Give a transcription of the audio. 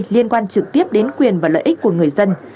liên quan trực tiếp đến quyền và lợi ích của người dân